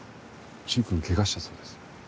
瞬くん怪我したそうです。